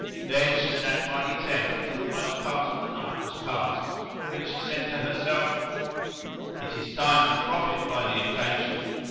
Then she sat by his head till the most part of the night was past, when she said to herself, "It is time to profit by the occasion."